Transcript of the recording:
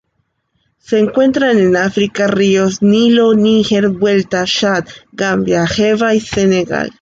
Se encuentran en África: ríos Nilo, Níger, Vuelta, Chad, Gambia, Geba y Senegal.